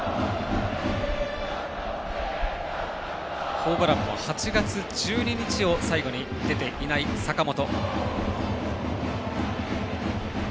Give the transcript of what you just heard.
ホームランも８月１２日を最後に出ていない坂本。